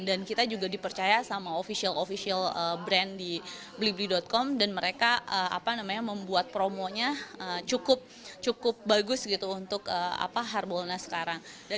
dan kita juga dipercaya sama official official brand di beli com dan mereka membuat promonya cukup bagus untuk harbolnas sekarang